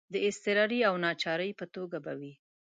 د اضطراري او ناچارۍ په توګه به وي.